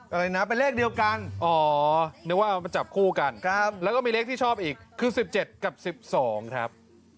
อะไรนะเป็นเลขเดียวกันอ๋อนึกว่ามาจับคู่กันแล้วก็มีเลขที่ชอบอีกคือ๑๗กับ๑๒ครับ